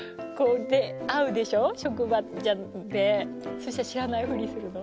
そしたら知らないふりするの？